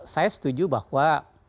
saya setuju bahwa